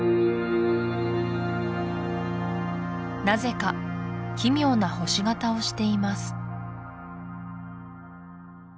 なぜか奇妙な星形をしています